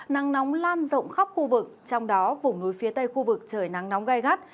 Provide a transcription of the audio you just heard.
nắng nóng lan rộng khắp khu vực trong đó vùng núi phía tây khu vực trời nắng nóng gai gắt